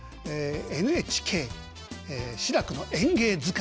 ＮＨＫ「志らくの演芸図鑑」。